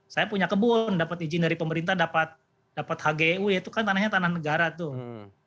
saya punya kebun dapat izin dari pemerintah dapat hgu itu kan tanahnya tanah negara tuh